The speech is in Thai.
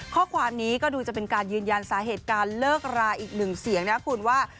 ข้อความนี้ก็ดูจะเป็นการยืนยันสาเหตุการเลิกราอีกหนึ่งเสียงนะคุณว่า